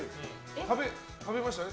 食べましたか？